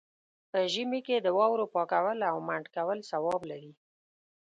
په ژمي کې د واورو پاکول او منډ کول ثواب لري.